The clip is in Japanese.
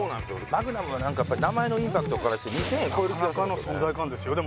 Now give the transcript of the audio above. マグナムは何かやっぱ名前のインパクトからして２０００円超える気がするんですよね